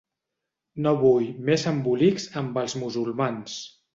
No vull més embolics amb els musulmans.